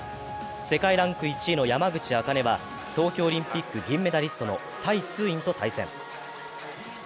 世界ランク１位の山口茜は東京オリンピック銀メダリストのタイ・ツーインと対戦。